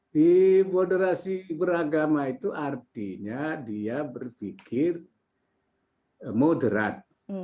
di moderasi beragama itu artinya dia berpikir moderat